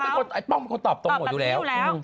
ไอ้ป้องเป็นคนตอบตรงหมดอยู่แล้ว